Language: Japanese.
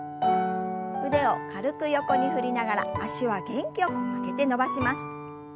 腕を軽く横に振りながら脚は元気よく曲げて伸ばします。